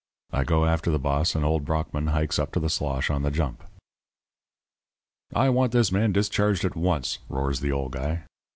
I go after the boss, and old Brockmann hikes up to the slosh on the jump. "'I want this man discharged at once,' roars the old guy.